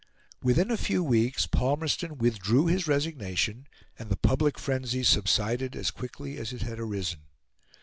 Within a few weeks Palmerston withdrew his resignation, and the public frenzy subsided as quickly as it had arisen.